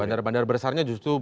bandar bandar besarnya justru